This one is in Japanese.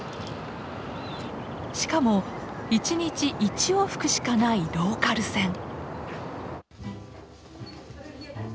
しかも１日１往復しかないローカル線。